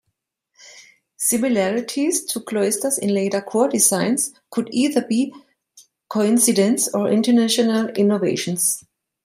Similarities to cloisters in later court designs could either be coincidence, or intentional innovations.